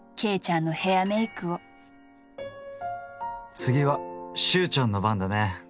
次は秀ちゃんの番だね。